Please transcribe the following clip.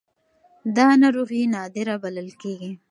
دا ناروغي نادره بلل کېږي.